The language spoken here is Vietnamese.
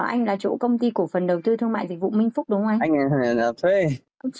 anh là chỗ công ty cổ phần đầu tư thương mại dịch vụ minh phúc đúng không anh